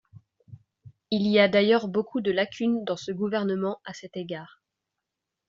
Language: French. Il y a d’ailleurs beaucoup de lacunes dans ce Gouvernement à cet égard.